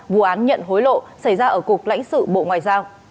vụ án nhận hối lộ xảy ra ở cục lãnh sự bộ ngoại giao